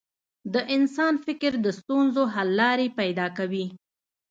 د انسان فکر د ستونزو حل لارې پیدا کوي.